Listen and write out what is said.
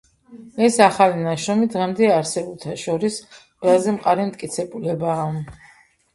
ეს ახალი ნაშრომი დღემდე არსებულთა შორის, ყველაზე მყარი მტკიცებულებაა.